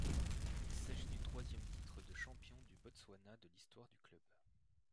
Il s’agit du troisième titre de champion du Botswana de l’histoire du club.